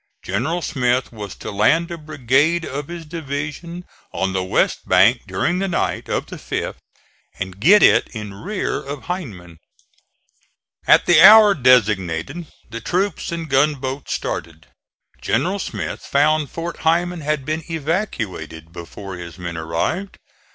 General Smith was to land a brigade of his division on the west bank during the night of the 5th and get it in rear of Heiman. At the hour designated the troops and gunboats started. General Smith found Fort Heiman had been evacuated before his men arrived.